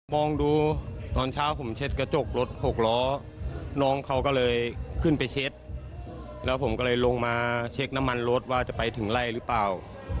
มองดูตอนเช้าผมเช็ดกระจกรถหกล้อน้องเขาก็เลยขึ้นไปเช็ดแล้วผมก็เลยลงมาเช็คน้ำมันรถว่าจะไปถึงไล่หรือเปล่า